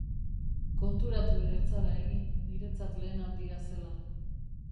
Konturatu ere ez zara egin niretzat lehen aldia zela.